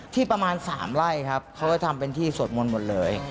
ที่ประมาณ๓ไร่ครับเขาก็ทำเป็นที่สวดมนต์หมดเลย